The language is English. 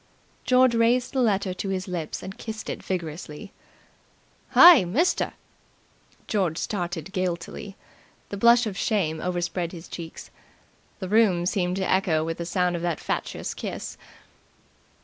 George raised the letter to his lips and kissed it vigorously. "Hey, mister!" George started guiltily. The blush of shame overspread his cheeks. The room seemed to echo with the sound of that fatuous kiss.